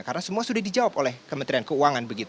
karena semua sudah dijawab oleh kementerian keuangan